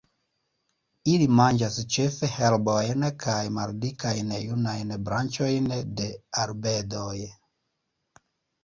Ili manĝas ĉefe herbojn kaj maldikajn junajn branĉojn de arbedoj.